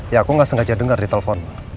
ya aku nggak sengaja dengar di telepon